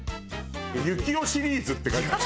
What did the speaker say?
ゆきおシリーズって書いてある。